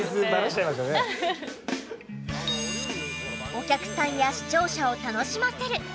「お客さんや視聴者を楽しませる」